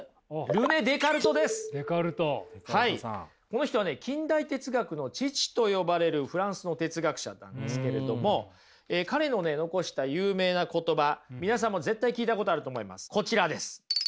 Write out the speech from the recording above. この人はね近代哲学の父と呼ばれるフランスの哲学者なんですけれども彼のね残した有名な言葉皆さんも絶対聞いたことあると思いますこちらです。